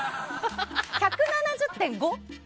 １７０．５？